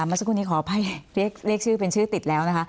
เมื่อสักครู่นี้ขออภัยเรียกชื่อเป็นชื่อติดแล้วนะคะ